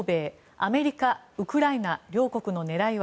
アメリカ、ウクライナ両国の狙いは？